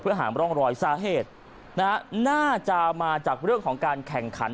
หาร่องรอยสาเหตุน่าจะมาจากเรื่องของการแข่งขัน